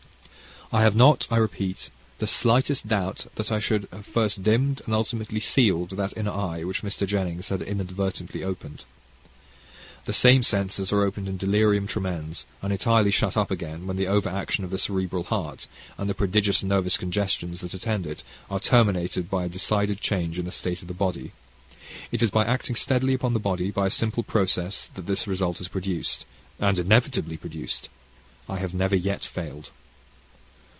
I have not, I repeat, the slightest doubt that I should have first dimmed and ultimately sealed that inner eye which Mr. Jennings had inadvertently opened. The same senses are opened in delirium tremens, and entirely shut up again when the overaction of the cerebral heart, and the prodigious nervous congestions that attend it, are terminated by a decided change in the state of the body. It is by acting steadily upon the body, by a simple process, that this result is produced and inevitably produced I have never yet failed.